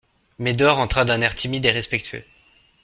Médor entra d'un air timide et respectueux.